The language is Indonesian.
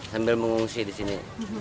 sambil mengungsi di sini